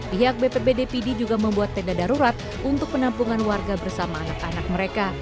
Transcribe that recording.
pihak bpbd pd juga membuat tenda darurat untuk penampungan warga bersama anak anak mereka